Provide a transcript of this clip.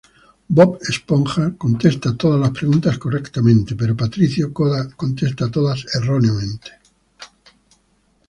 Bob Esponja contesta todas las preguntas correctamente, pero Patricio contesta todas erróneamente.